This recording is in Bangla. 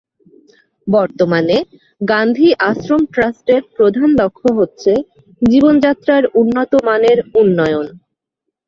বর্তমানে, গান্ধী আশ্রম ট্রাস্টের প্রধান লক্ষ্য হচ্ছে জীবনযাত্রার উন্নত মানের উন্নয়ন।